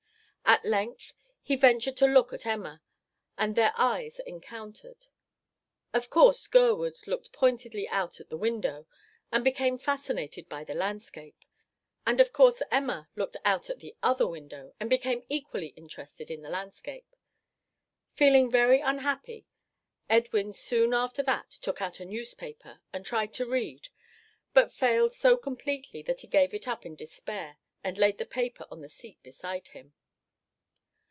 At length he ventured to look at Emma, and their eyes encountered. Of course Gurwood looked pointedly out at the window and became fascinated by the landscape; and of course Emma, looked out at the other window, and became equally interested in the landscape. Feeling very unhappy; Edwin soon after that took out a newspaper and tried to read, but failed so completely that he gave it up in despair and laid the paper on the seat beside him.